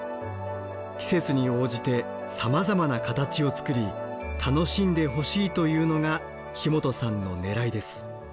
季節に応じてさまざまな形を作り楽しんでほしいというのが木本さんのねらいです。